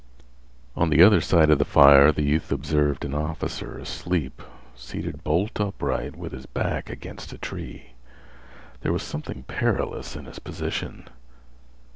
On the other side of the fire the youth observed an officer asleep, seated bolt upright, with his back against a tree. There was something perilous in his position.